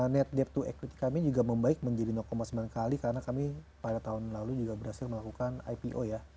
net dep to equity kami juga membaik menjadi sembilan kali karena kami pada tahun lalu juga berhasil melakukan ipo ya